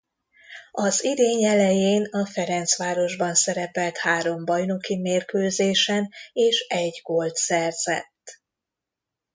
Az idény elején a Ferencvárosban szerepelt három bajnoki mérkőzésen és egy gólt szerzett.